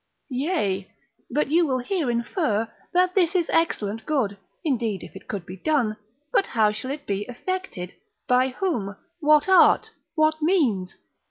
Yea, but you will here infer, that this is excellent good indeed if it could be done; but how shall it be effected, by whom, what art, what means?